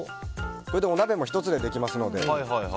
お鍋も１つでできますので。